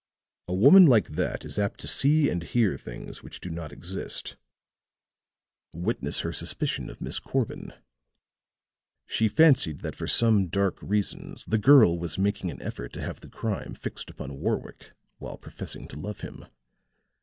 A woman like that is apt to see and hear things which do not exist. Witness her suspicion of Miss Corbin. She fancied that for some dark reasons the girl was making an effort to have the crime fixed upon Warwick, while professing to love him.